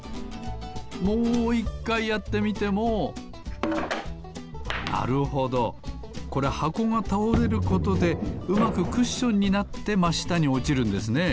もう１かいやってみてもなるほどこれはこがたおれることでうまくクッションになってましたにおちるんですね。